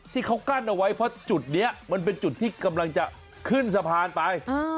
ที่เขากั้นเอาไว้เพราะจุดนี้มันเป็นจุดที่กำลังจะขึ้นสะพานไป